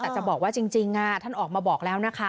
แต่จะบอกว่าจริงท่านออกมาบอกแล้วนะคะ